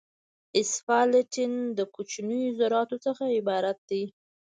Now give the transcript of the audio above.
اسفالټین د کوچنیو ذراتو څخه عبارت دی